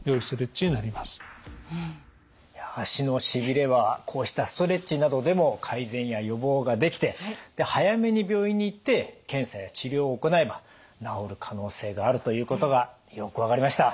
足のしびれはこうしたストレッチなどでも改善や予防ができて早めに病院に行って検査や治療を行えば治る可能性があるということがよく分かりました。